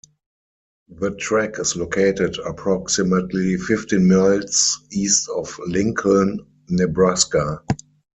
The track is located approximately fifteen miles east of Lincoln, Nebraska.